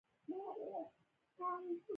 لرګی د زړونو نرموالی ښيي.